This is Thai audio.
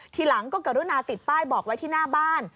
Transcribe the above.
ทีหลังก็กรุณาติดป้ายบอกไว้ที่หน้าบ้าน